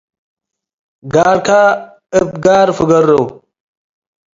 ጋርከ እብ ጋር ፍገሩ።